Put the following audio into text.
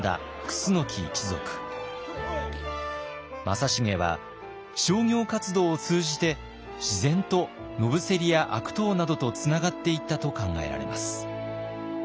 正成は商業活動を通じて自然と野伏や悪党などとつながっていったと考えられます。